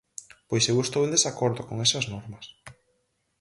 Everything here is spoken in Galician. _Pois eu estou en desacordo con esas normas.